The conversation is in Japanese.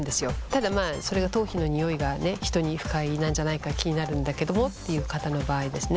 ただそれが頭皮のニオイが人に不快なんじゃないか気になるんだけどもっていう方の場合ですね